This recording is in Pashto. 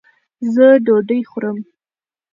زۀ ډوډۍ خورم